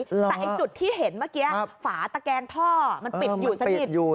แต่จุดที่เห็นเมื่อกี้ฝาตะแกงท่อมันปิดอยู่สนิท